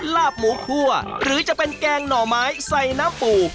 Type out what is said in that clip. ลาบหมูคั่วหรือจะเป็นแกงหน่อไม้ใส่น้ำปู